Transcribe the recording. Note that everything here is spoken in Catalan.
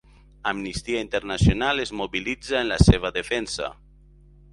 Amnistia Internacional es mobilitzà en la seva defensa.